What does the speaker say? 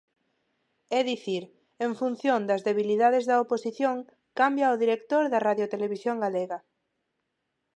É dicir, en función das debilidades da oposición, cambia o director da Radiotelevisión Galega.